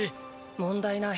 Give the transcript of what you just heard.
問題ない。